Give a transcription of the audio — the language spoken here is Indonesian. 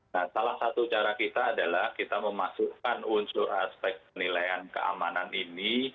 nah salah satu cara kita adalah kita memasukkan unsur aspek penilaian keamanan ini